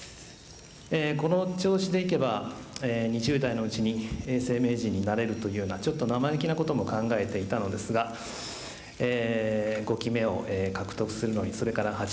この調子でいけば２０代のうちに永世名人になれるというようなちょっと生意気なことも考えていたのですが５期目を獲得するのにそれから８年かかりました。